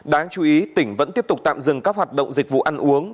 đáng chú ý tỉnh vẫn tiếp tục tạm dừng các hoạt động dịch vụ ăn uống